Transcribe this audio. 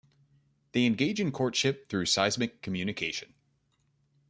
They engage in courtship through seismic communication.